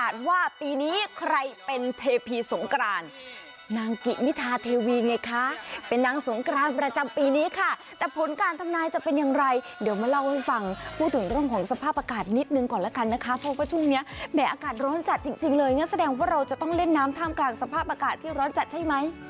แสดงว่าเราจะต้องเล่นน้ำท่ามกลางสภาพอากาศที่ร้อนจัดใช่ไหม